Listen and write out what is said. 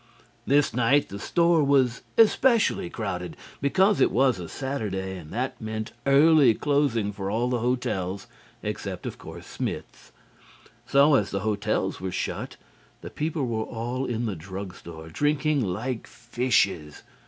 This night the store was especially crowded because it was a Saturday and that meant early closing for all the hotels, except, of course, Smith's. So as the hotels were shut, the people were all in the drug store, drinking like fishes.